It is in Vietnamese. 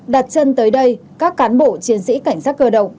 đặt chân tới đây các cán bộ chiến sĩ cảnh sát cơ động